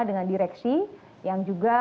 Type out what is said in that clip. dengan direksi yang juga